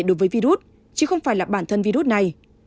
đối với virus chứ không phải là bản thân virus này